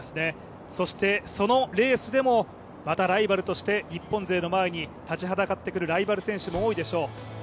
そしてそのレースでもまたライバルとして日本勢の前に立ちはだかってくるライバル選手も多いでしょう。